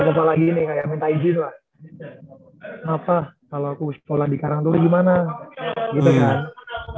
papa lagi nih kayak minta izin lah kenapa kalau aku sekolah di karangturi gimana gitu kan